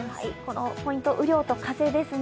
ポイント、雨量と風ですね。